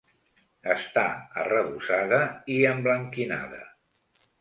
Està arrebossada i emblanquinada.